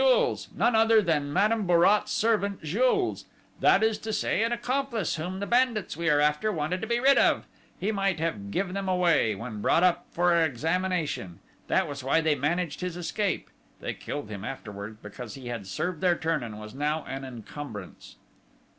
"Jules! None other than Madame Bourrat's servant, Jules!... That is to say, an accomplice whom the bandits we are after wanted to be rid of. He might give them away when brought up for examination. That was why they managed his escape: they killed him afterwards, because he had served their turn, and was now an encumbrance."